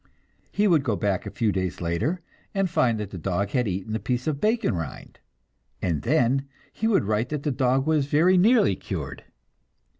He would go back a few days later and find that the dog had eaten the piece of bacon rind, and then he would write that the dog was very nearly cured.